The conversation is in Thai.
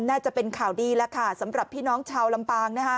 น่าจะเป็นข่าวดีแล้วค่ะสำหรับพี่น้องชาวลำปางนะคะ